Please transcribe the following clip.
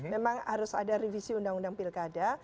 memang harus ada revisi undang undang pilkada